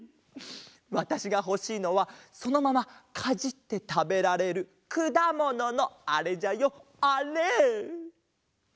わたしがほしいのはそのままかじってたべられるくだもののあれじゃよあれ！